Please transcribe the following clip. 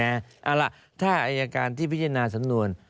เอาล่ะถ้าอายการที่พิจารณาสำนวน